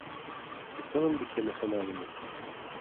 The film became a phenomenon.